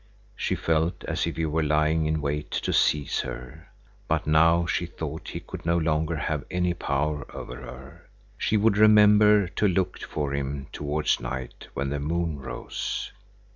She felt as if he were lying in wait to seize her. But now she thought he could no longer have any power over her. She would remember to look for him towards night when the moon rose.